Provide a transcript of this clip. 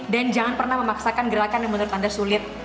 dan jangan pernah memaksakan gerakan yang menurut anda sulit